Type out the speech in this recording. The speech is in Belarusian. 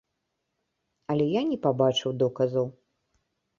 Але я не пабачыў доказаў.